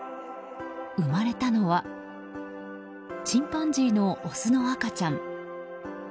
生まれたのはチンパンジーのオスの赤ちゃん。